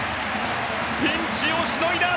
ピンチをしのいだ！